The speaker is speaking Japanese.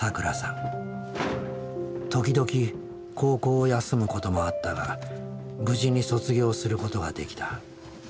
時々高校を休むこともあったが無事に卒業することができた。